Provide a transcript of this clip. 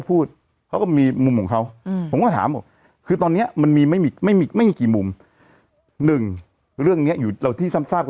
อู๋พี่ไปถามคนหน้าตานี้มาผิดใส่หน้าพี่ทำไมน่ะ